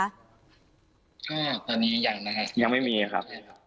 ยังไม่มีครับ